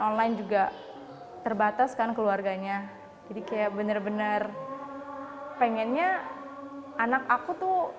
online juga terbatas kan keluarganya jadi kayak bener bener pengennya anak aku tuh